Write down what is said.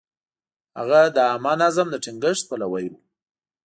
هغه د عامه نظم د ټینګښت پلوی و.